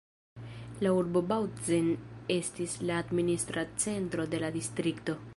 La urbo Bautzen estis la administra centro de la distrikto.